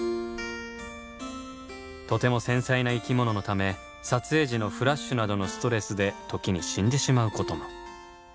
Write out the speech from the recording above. とても繊細な生き物のため撮影時のフラッシュなどのストレスで時に死んでしまうことも。